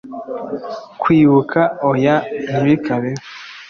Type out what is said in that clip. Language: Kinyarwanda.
kwibuka oya ntibikabeho